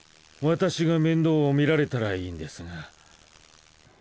私が面倒を見られたらいいんですが。